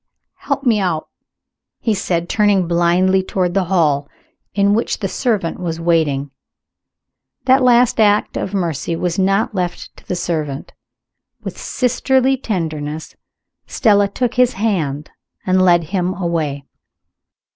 "Help me out!" he said, turning blindly toward the hall, in which the servant was waiting. That last act of mercy was not left to a servant. With sisterly tenderness, Stella took his hand and led him away.